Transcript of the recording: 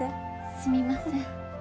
すみません。